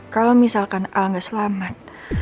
kalo misalkan al gak selamat